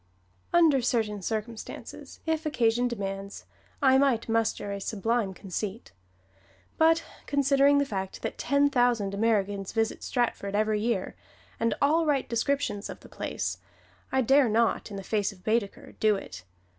Under certain circumstances, if occasion demands, I might muster a sublime conceit; but considering the fact that ten thousand Americans visit Stratford every year, and all write descriptions of the place, I dare not in the face of Baedeker do it.